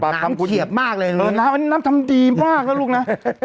น้ำเขียบมากเลยน้ำน้ำทำดีมากแล้วลูกนะ